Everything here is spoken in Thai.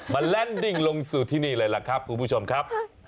มันแลนดิ้งลงสู่ที่นี่เลยล่ะครับคุณผู้ชมครับ